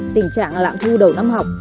tình trạng lạng thu đầu năm học